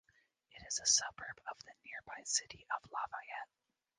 It is a suburb of the nearby city of Lafayette.